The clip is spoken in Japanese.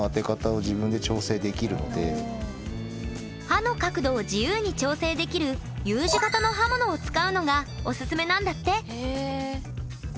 刃の角度を自由に調整できるＵ字型の刃物を使うのがおすすめなんだって！